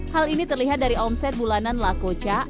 hal ini terlihat dari omset bulanan lakoca